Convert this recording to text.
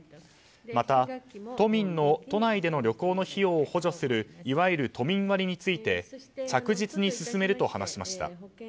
また、都民の都内での旅行の費用を補助するいわゆる都民割について着実に進めると話しました。